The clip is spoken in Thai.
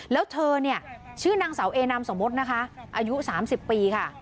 แล้วเธอเนี่ยชื่อนางสาวเอนามสมมุตินะคะอายุ๓๐ปีค่ะ